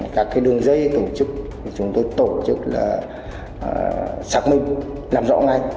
các đường dây tổ chức chúng tôi tổ chức là xác minh làm rõ ngay